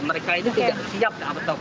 mereka ini tidak siap